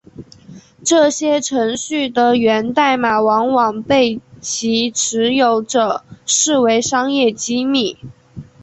这些程序的源代码往往被其持有者视为商业机密。